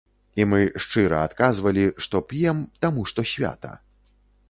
І мы шчыра адказвалі, што п'ем, таму што свята.